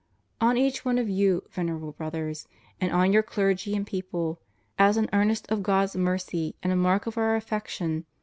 ^ On each one of you, Venerable Brothers, and on your clergy and people, as an earnest of God's mercy and a mark of Our affection.